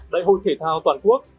đại hội thể thao toàn quốc